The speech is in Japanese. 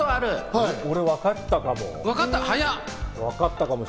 俺、わかったかも。